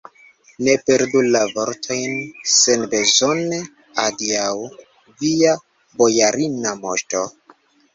Ne perdu la vortojn senbezone, adiaŭ, via bojarina moŝto!